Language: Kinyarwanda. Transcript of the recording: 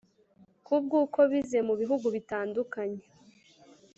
kubwukobize mubihugu bitandukanye.